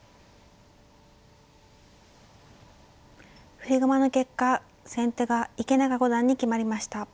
振り駒の結果先手が池永五段に決まりました。